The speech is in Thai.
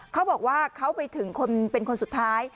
เขาบอกว่าเขาไปถึงเป็นคนสุดท้าย